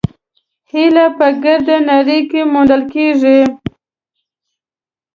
هیلۍ په ګرده نړۍ کې موندل کېږي